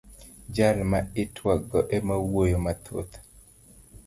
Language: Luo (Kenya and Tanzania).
Jal ma itwak go ema wuoyo mathoth.